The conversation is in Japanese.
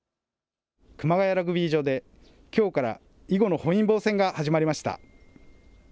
熊谷ラグビー場できょうから囲碁の本因坊戦が始まりました。